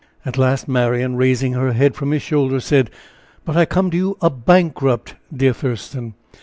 At last Marian, raising her head from his shoulder, said: "But I come to you a bankrupt, dear Thurston!